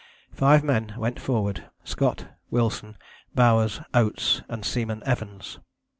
Five men went forward, Scott, Wilson, Bowers, Oates and Seaman Evans.